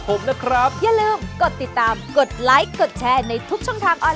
สวัสดีค่ะ